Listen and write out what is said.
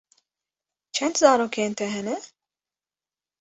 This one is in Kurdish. Çend zarokên te hene?